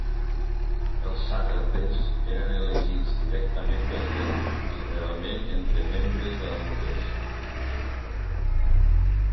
Els sàtrapes eren elegits directament pel rei generalment entre membres de la noblesa.